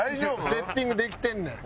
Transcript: セッティングできてんねん。